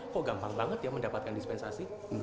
kok gampang banget ya mendapatkan dispensasi